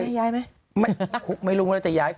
พี่จะย้ายไหมไม่รู้ว่าจะย้าย